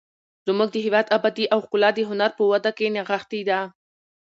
زموږ د هېواد ابادي او ښکلا د هنر په وده کې نغښتې ده.